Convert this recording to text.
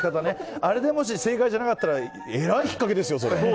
あれでもし正解じゃなかったらえらい引っかけですよ。